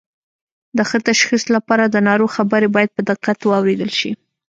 د ښه تشخیص لپاره د ناروغ خبرې باید په دقت واوریدل شي